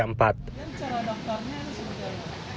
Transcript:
dan cara dokternya